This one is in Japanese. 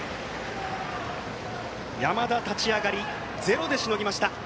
山田、立ち上がりゼロでしのぎました。